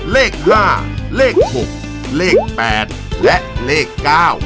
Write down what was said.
เลข๕เลข๖เลข๘และเลข๙